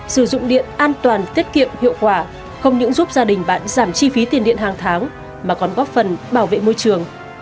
sử dụng điện an toàn tiết kiệm hiệu quả không những giúp gia đình bạn giảm chi phí tiền điện hàng tháng mà còn góp phần bảo vệ môi trường